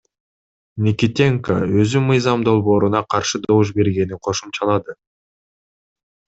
Никитенко өзү мыйзам долбооруна каршы добуш бергенин кошумчалады.